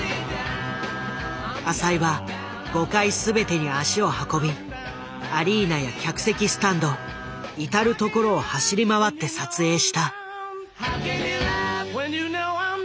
浅井は５回全てに足を運びアリーナや客席スタンド至る所を走り回って撮影した。